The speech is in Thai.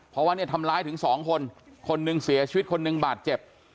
เพราะว่าเนี่ยทำร้ายถึงสองคนคนหนึ่งเสียชีวิตคนหนึ่งบาดเจ็บ